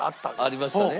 ありましたね。